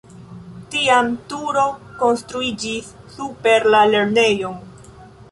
Tiam turo konstruiĝis super la lernejon.